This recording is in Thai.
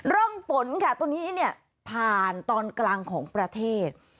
ร่องฝนค่ะตัวนี้เนี่ยผ่านตอนกลางของประเทศ